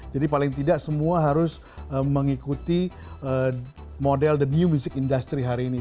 jadi paling tidak semua harus mengikuti model the new music industry hari ini